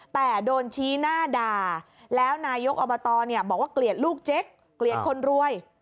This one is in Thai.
แต่โดนชี้หน้าด่าแล้วนายกอบตบอกว่าเกลียดลูกเจ๊กเกลียดคนรวย